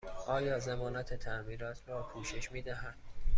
آیا ضمانت تعمیرات را پوشش می دهد؟